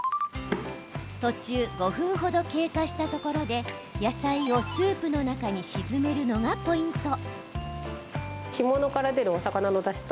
途中５分程経過したところで野菜をスープの中に沈めるのがポイント。